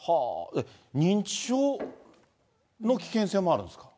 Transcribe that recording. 認知症の危険性もあるんですか？